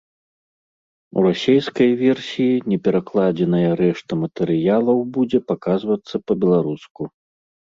У расейскай версіі неперакладзеная рэшта матэрыялаў будзе паказвацца па-беларуску.